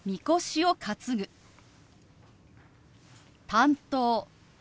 「担当」。